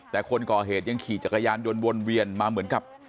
แต่คนก่อเหตุยังขี่จักรยานยนต์วนเวียนมาเหมือนกับ